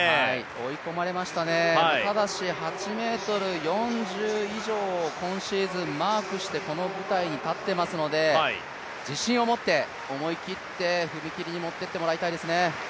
追い込まれましたね、ただし、８ｍ４０以上を今シーズンマークしてこの舞台に立っていますので自信を持って思い切って踏み切りに持ってってもらいたいですね。